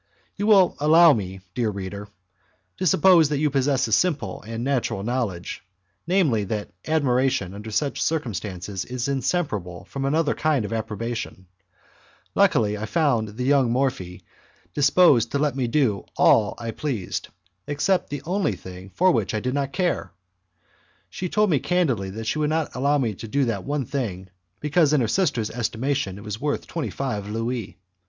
You will allow me, dear reader, to suppose that you possess a simple and natural knowledge, namely, that admiration under such circumstances is inseparable from another kind of approbation; luckily, I found the young Morphi disposed to let me do all I pleased, except the only thing for which I did not care! She told me candidly that she would not allow me to do that one thing, because in her sister's estimation it was worth twenty five louis.